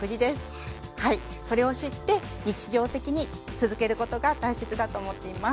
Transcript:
それを知って日常的に続けることが大切だと思っています。